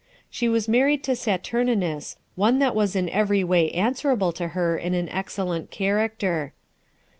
She was married to Saturninus, one that was every way answerable to her in an excellent character.